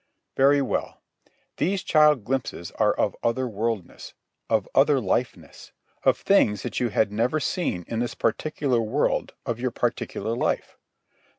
Very well. These child glimpses are of other worldness, of other lifeness, of things that you had never seen in this particular world of your particular life.